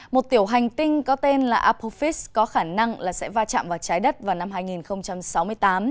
một tiểu hành tinh có tên là apophis có khả năng là sẽ va chạm vào trái đất vào năm hai nghìn sáu mươi tám